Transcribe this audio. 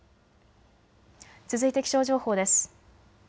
続いて気象情報です。